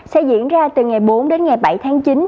sẽ diễn ra từ ngày bốn đến ngày bảy tháng chín